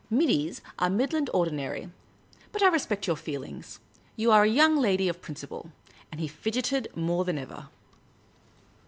Middies are Midland Ordi nary. But I respect your feeling. You are a young lady of principle." And he fidgeted more than ever.